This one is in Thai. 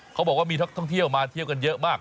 เขาบอกว่ามีนักท่องเที่ยวมาเที่ยวกันเยอะมาก